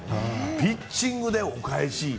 ピッチングでお返し。